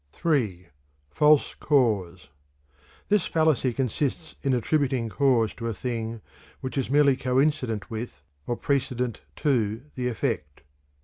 III. False Cause. This fallacy consists in attributing cause to a thing which is merely coincident with, or precedent to, the effect.